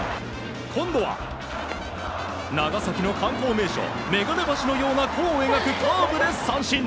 今度は、長崎の観光名所眼鏡橋のような弧を描くカーブで三振。